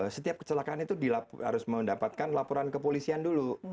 setiap kecelakaan itu harus mendapatkan laporan kepolisian dulu